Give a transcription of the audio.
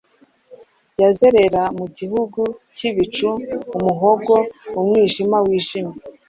Yazerera mu gihugu cyibicu umuhogo 'umwijima wijimye,